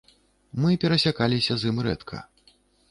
Мы перасякаліся з ім рэдка.